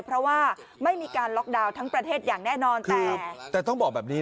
เพราะว่าไม่มีการทั้งประเทศอย่างแน่นอนคือแต่ต้องบอกแบบนี้